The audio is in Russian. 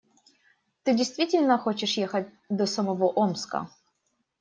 Ты действительно хочешь ехать до самого Омска?